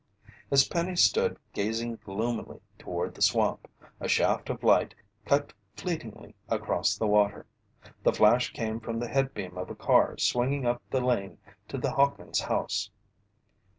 As Penny stood gazing gloomily toward the swamp, a shaft of light cut fleetingly across the water. The flash came from the headbeam of a car swinging up the lane to the Hawkins' house.